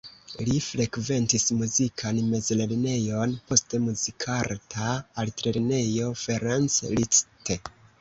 Li frekventis muzikan mezlernejon, poste Muzikarta Altlernejo Ferenc Liszt.